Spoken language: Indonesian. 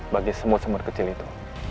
bagi semut semut kecil itu